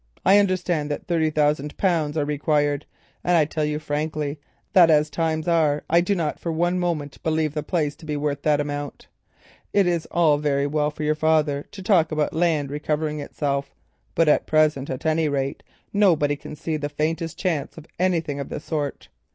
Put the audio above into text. I understand that thirty thousand pounds are required, and I tell you frankly that as times are I do not for one moment believe the place to be worth that amount. It is all very well for your father to talk about land recovering itself, but at present, at any rate, nobody can see the faintest chance of anything of the sort.